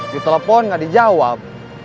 ditelepon gak dijawab